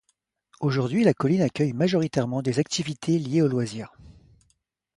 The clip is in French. Aujourd'hui la colline accueille majoritairement des activités liées aux loisirs.